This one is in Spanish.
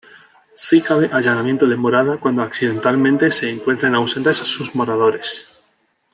Sí cabe allanamiento de morada cuando accidentalmente se encuentren ausentes sus moradores.